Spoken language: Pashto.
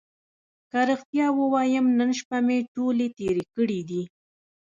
که رښتیا ووایم نن شپه مې ټولې تېرې کړې دي.